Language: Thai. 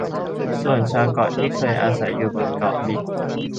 ส่วนชาวเกาะที่เคยอาศัยอยู่บนเกาะบิ๊ก